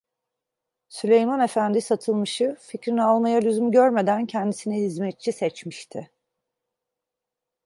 Süleyman Efendi Satılmış'ı, fikrini almaya lüzum görmeden kendisine hizmetçi seçmişti.